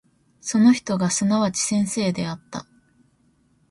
その人がすなわち先生であった。